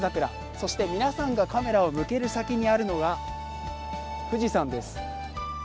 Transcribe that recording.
そして、皆さんがカメラを向ける先にあるのは、富士山です。